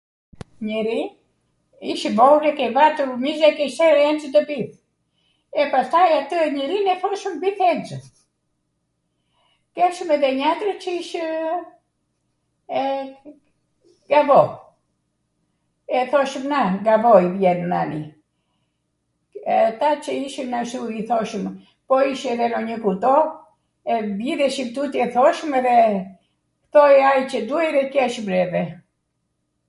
njeri, ish i vogwl, kej vatur [???] e pastaj atw ... njeri e ... di herzw, keshwm edhe njatwr qw ishw, ee, gavo, e thoshwm na gavoi vjen nani, ata qw ishwn ashtu i thoshwmw, po ish edhe nonjw kuto, bjidheshim tuti e thoshwmw, edhe thoj ai Cw duhej edhe qeshmw neve